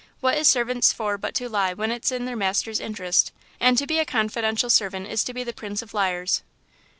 What is servants for but to lie when it is in their master's interest, and to be a confidential servant is to be the Prince of liars!"